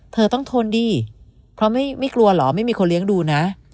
เธอต้องทนดีเพราะไม่กลัวเหรอไม่มีคนเลี้ยงดูนะ